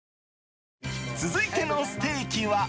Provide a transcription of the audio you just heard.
続いてのステーキは。